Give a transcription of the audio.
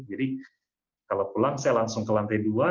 jadi kalau pulang saya langsung ke lantai dua